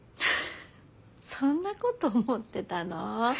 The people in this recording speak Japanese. そんなこと思ってたの？